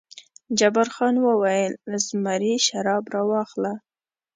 جبار خان وویل: زمري شراب راواخله.